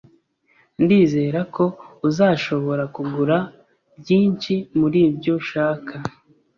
Ndizera ko uzashobora kugura byinshi muribyo ushaka.